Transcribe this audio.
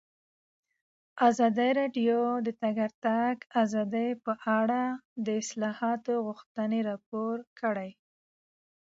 ازادي راډیو د د تګ راتګ ازادي په اړه د اصلاحاتو غوښتنې راپور کړې.